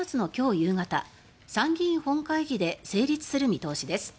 夕方参議院本会議で成立する見通しです。